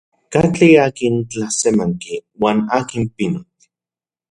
¿Katli akin tlasemanki uan akin pinotl?